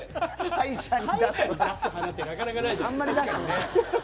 歯医者に出す花ってなかなかないよね。